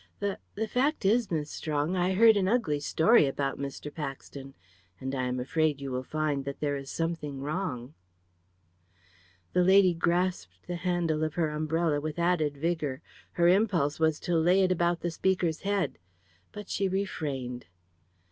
The the fact is, Miss Strong, I heard an ugly story about Mr. Paxton, and I am afraid you will find that there is something wrong." The lady grasped the handle of her umbrella with added vigour. Her impulse was to lay it about the speaker's head. But she refrained.